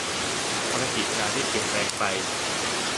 ภารกิจงานที่เปลี่ยนแปลงไป